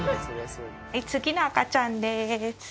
次の赤ちゃんです。